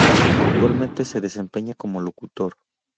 Actualmente se desempeña como locutor.